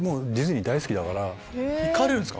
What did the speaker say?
行かれるんですか？